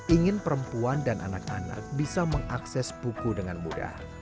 ingin perempuan dan anak anak bisa mengakses buku dengan mudah